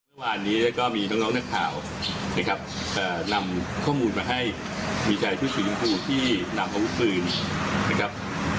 ระหว่านี้ก็มีน้องน้องนักข่าวนะครับเอ่อนำข้อมูลมาให้มีชายชุดสีชมพูที่นำเอาปืนนะครับ